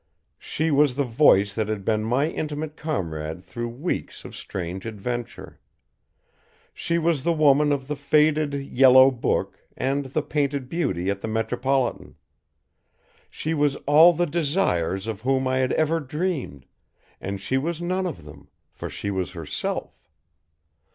She was the voice that had been my intimate comrade through weeks of strange adventure. She was the woman of the faded, yellow book, and the painted beauty at the Metropolitan. She was all the Desires of whom I had ever dreamed; and she was none of them, for she was herself.